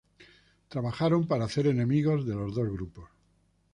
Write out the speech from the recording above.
Trabajaron para hacer enemigos de los dos grupos.